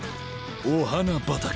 お花畑。